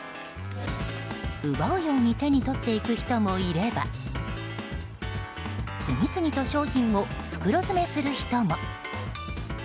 奪うように手に取っていく人もいれば次々と商品を袋詰めする人も。